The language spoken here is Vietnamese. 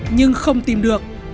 nhưng không tìm được